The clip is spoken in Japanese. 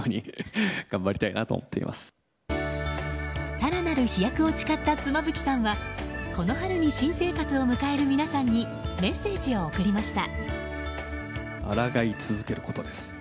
更なる飛躍を誓った妻夫木さんはこの春に新生活を迎える皆さんにメッセージを送りました。